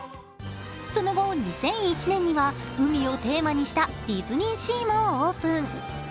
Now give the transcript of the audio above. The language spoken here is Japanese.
その後、２００１年には海をテーマにしたディズニーシーもオープン。